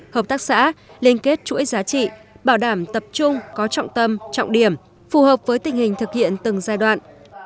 hợp tác xã liên kết chuỗi giá trị bảo đảm tập trung có trọng tâm trọng điểm phù hợp với tình hình thực hiện từng giai đoạn